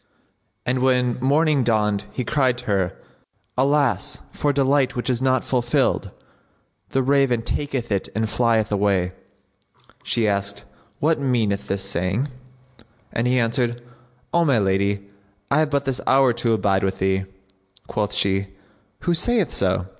And when morning dawned he cried to her, "Alas for delight which is not fulfilled! The raven[FN#66] taketh it and flieth away!" She asked, "What meaneth this saying?"; and he answered, "O my lady, I have but this hour to abide with thee." Quoth she "Who saith so?"